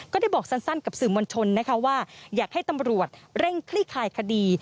ก็ได้บอกสั้นกับสื่อมวลชนนะคะว่าอยากให้ตำรวจเร่งคลี่คลายคดี